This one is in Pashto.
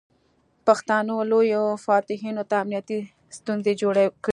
پښتانه لویو فاتحینو ته امنیتي ستونزې جوړې کړې.